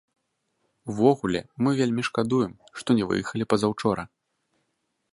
Увогуле, мы вельмі шкадуем, што не выехалі пазаўчора.